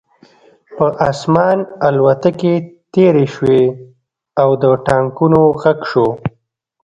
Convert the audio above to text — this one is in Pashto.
په آسمان الوتکې تېرې شوې او د ټانکونو غږ شو